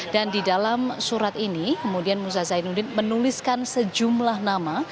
dan di dalam surat ini kemudian musa zainuddin menuliskan sejumlah nama